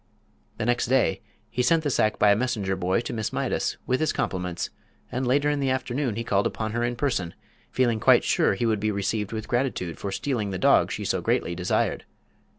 The next day he sent the sack by a messenger boy to Miss Mydas, with his compliments, and later in the afternoon he called upon her in person, feeling quite sure he would be received with gratitude for stealing the dog she so greatly desired.